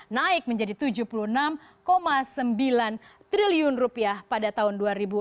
naik menjadi rp tujuh puluh enam sembilan triliun pada tahun dua ribu enam belas